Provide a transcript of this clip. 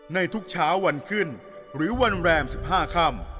ในทุกเช้าวันขึ้นหรือวันแรม๑๕ค่ำ